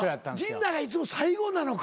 陣内がいつも最後なのか。